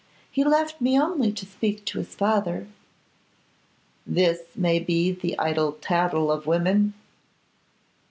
He left me only to speak to his father.' 'This may be the idle tattle of women?